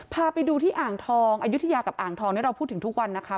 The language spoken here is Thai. พาไปดูที่อ่างทองอายุทยากับอ่างทองนี่เราพูดถึงทุกวันนะคะ